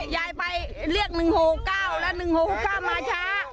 ยายไปเรียก๑๖๙และ๑๖๖๙มาช้า